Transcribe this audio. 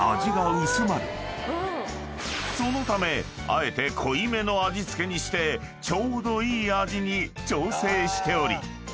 ［そのためあえて濃いめの味付けにしてちょうどいい味に調整しており］